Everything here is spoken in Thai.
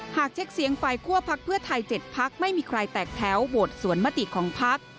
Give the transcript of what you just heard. หากเช็คเสียงฝ่ายคั่วพักเพื่อไทย๗พักไม่มีใครแตกแถวโหวตสวนมติของพัก